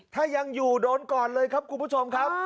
ถ้ายังอยู่โดนก่อนเลยครับคุณผู้ชมครับ